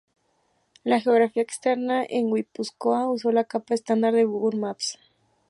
La geografía externa a Guipúzcoa usa la capa estándar de Google Maps.